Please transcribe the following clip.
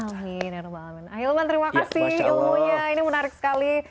ahilman terima kasih ilmunya ini menarik sekali